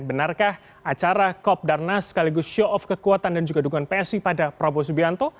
benarkah acara kopdarnas sekaligus show off kekuatan dan juga dukungan psi pada prabowo subianto